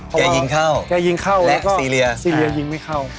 เออเพราะว่าแกยิงเข้าแล้วก็แล้วก็ซีเรียซีเรียยิงไม่เข้า